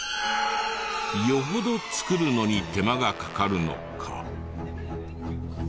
よほど作るのに手間がかかるのか。